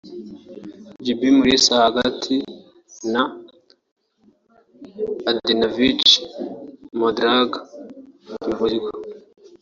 Jimmy Mulisa (hagati) na Adanavic Miodrag (Iburyo)